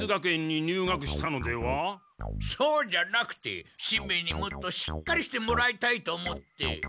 そうじゃなくてしんべヱにもっとしっかりしてもらいたいと思って。